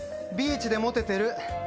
ビーチでモテてる